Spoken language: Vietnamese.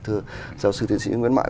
thưa giáo sư tiến sĩ nguyễn mại